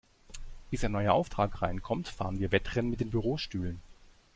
Bis ein neuer Auftrag reinkommt, fahren wir Wettrennen mit den Bürostühlen.